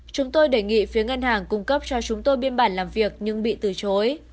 chúng tôi đề nghị phía ngân hàng cung cấp cho chúng tôi biên bản làm việc nhưng bị từ chối